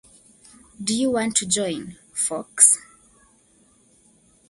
Do you want to join, Fox?